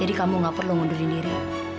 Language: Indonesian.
jadi kamu gak perlu ngundulin diri